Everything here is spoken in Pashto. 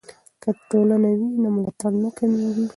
که ټولنه وي نو ملاتړ نه کمېږي.